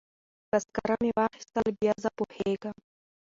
که سکاره مې واخیستل بیا زه پوهیږم.